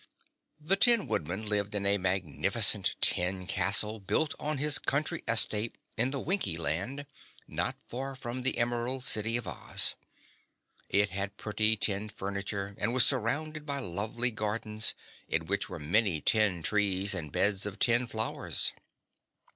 The Tin Woodman lived in a magnificent tin castle, built on his country estate in the Winkie Land, not far from the Emerald City of Oz. It had pretty tin furniture and was surrounded by lovely gardens in which were many tin trees and beds of tin flowers.